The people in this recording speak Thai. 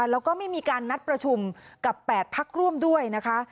แล้วก็ไม่มีการนัดประชุมกับ๘พักร่วมด้วยนะคะ